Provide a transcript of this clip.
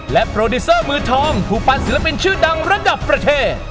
โปรดิเซอร์มือทองผู้ฟันศิลปินชื่อดังระดับประเทศ